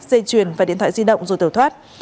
dây chuyền và điện thoại di động rồi tẩu thoát